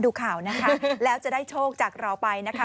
ดูข่าวนะคะแล้วจะได้โชคจากเราไปนะคะ